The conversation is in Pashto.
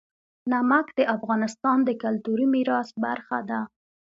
نمک د افغانستان د کلتوري میراث برخه ده.